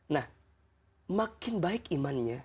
nah makin baik imannya